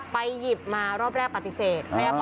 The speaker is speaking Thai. หยิบมารอบแรกปฏิเสธ